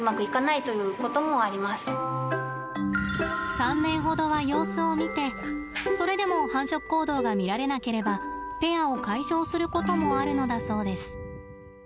３年ほどは様子を見てそれでも繁殖行動が見られなければペアを解消することもあるのだそうです。